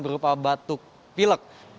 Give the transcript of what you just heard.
berupa batuk pilek